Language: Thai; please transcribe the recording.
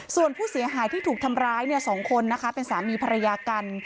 ส่วนผู้เสียหายที่ถูกทำร้าย๒คนนะคะเป็นสามีภรรยากัน